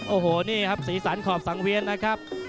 โอ้โหนี่ครับสีสันขอบสังเวียนนะครับ